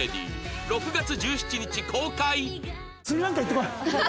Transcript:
６月１７日公開